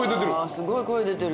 すごい声出てる。